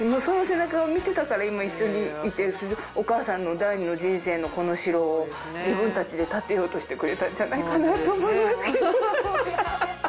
そういう背中を見てたから今一緒にいてお母さんの第２の人生のこの城を自分たちで建てようとしてくれたんじゃないかなと思いますけど。